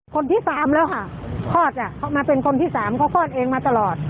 คนที่สามแล้วค่ะคลอดอ่ะเขามาเป็นคนที่สามเขาคลอดเองมาตลอด